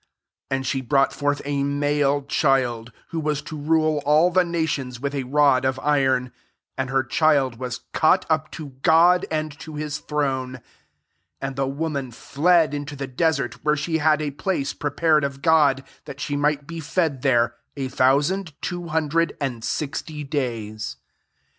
5 And she brought forth a male child, who was to rule all the nations with a rod of iron: and her child was caught up to God, and to his throne. 6 And the woman fled into the desert, where she had a place prepared of God, that she might be fed there a thou sand two hundred and sixty days.